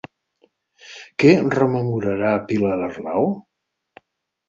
Què rememorarà Pilar Arnau?